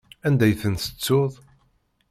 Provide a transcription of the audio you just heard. Anda i ten-tettuḍ?